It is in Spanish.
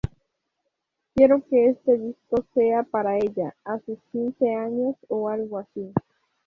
Quiero que este disco sea para ella a sus quince años, o algo así.